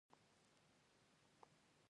اوبه د بدن له زهرو پاکوي